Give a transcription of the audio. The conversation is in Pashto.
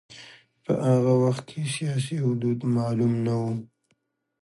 په هغه وخت کې سیاسي حدود معلوم نه و.